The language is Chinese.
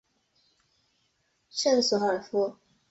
圣索尔夫。